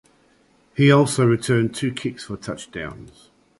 He also returned two kicks for touchdowns.